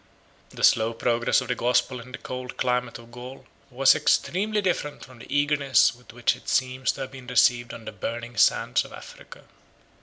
172 The slow progress of the gospel in the cold climate of Gaul, was extremely different from the eagerness with which it seems to have been received on the burning sands of Africa.